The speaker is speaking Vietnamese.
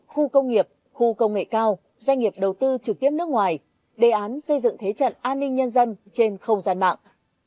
khu công nghiệp khu công nghệ cao doanh nghiệp đầu tư trực tiếp nước ngoài đề án xây dựng thế trận an ninh nhân dân trên không gian mạng